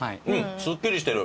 すっきりしてる。